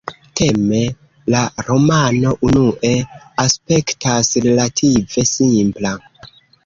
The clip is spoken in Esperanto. Teme, la romano unue aspektas relative simpla.